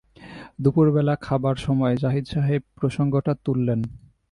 দুপুরবেলা খাবার সময় জাহিদ সাহেব প্রসঙ্গটা তুললেন।